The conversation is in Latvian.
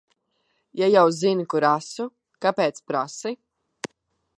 Ja jau zini, kur esmu, kāpēc prasi?